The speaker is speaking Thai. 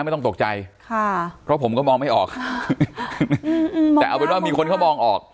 ไม่ต้องตกใจค่ะเพราะผมก็มองไม่ออกแต่เอาเป็นว่ามีคนเขามองออก